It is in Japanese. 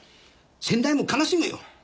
先代も悲しむよ。